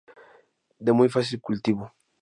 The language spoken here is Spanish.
De muy fácil cultivo.